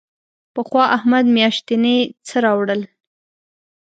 پخوا احمد میاشتنی څه راوړل.